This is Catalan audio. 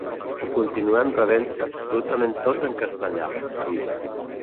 Ho continuem rebent absolutament tot en castellà, diu.